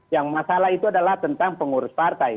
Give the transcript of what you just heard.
yang masalah itu adalah tentang pengurus partai